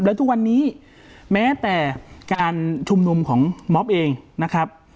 และทุกวันนี้แม้แต่การชุมนุมของมอบเองนะครับ